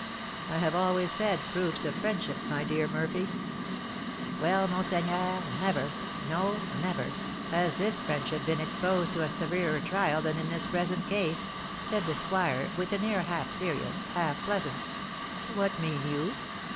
"I have always said proofs of friendship, my dear Murphy." "Well, monseigneur, never no, never has this friendship been exposed to a severer trial than in this present case!" said the squire, with an air half serious, half pleasant. "What mean you?"